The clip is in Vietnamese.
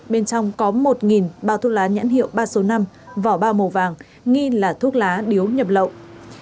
bên trong có một bao thuốc lá nhãn hiệu ba số năm vỏ bao màu vàng nghi là thuốc lá điếu nhập lậu